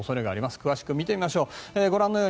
詳しく見てみましょう。